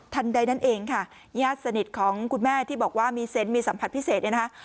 ใดนั่นเองค่ะญาติสนิทของคุณแม่ที่บอกว่ามีเซนต์มีสัมผัสพิเศษเนี่ยนะคะ